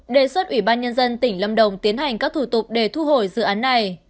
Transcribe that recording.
đề xuất ủy ban nhân dân tỉnh lâm đồng tiến hành các thủ tục để thu hồi dự án này